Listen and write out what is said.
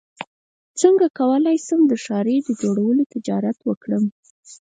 څنګه کولی شم د ښارۍ جوړولو تجارت وکړم